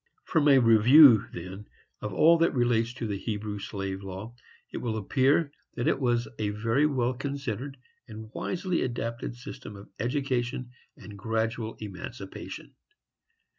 From a review, then, of all that relates to the Hebrew slave law, it will appear that it was a very well considered and wisely adapted system of education and gradual emancipation.